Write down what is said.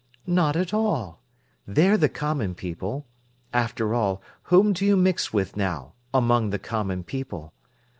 "Not at all. They're the common people. After all, whom do you mix with now—among the common people?